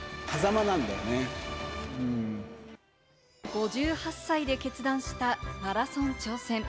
５８歳で決断したマラソン挑戦。